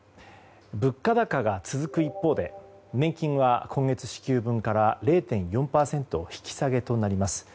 物価高が続く一方で年金は今月支給分から０．４％引き下げとなります。